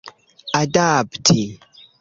adapti